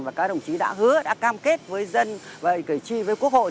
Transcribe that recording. và các đồng chí đã hứa đã cam kết với dân và cử tri với quốc hội